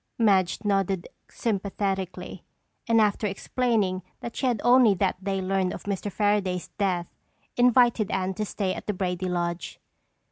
Madge nodded sympathetically and after explaining that she had only that day learned of Mr. Fairaday's death, invited Anne to stay at the Brady lodge.